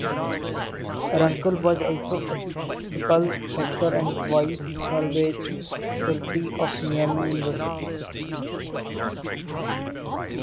Runkle was also an Episcopal rector and twice served as trustee of Miami University.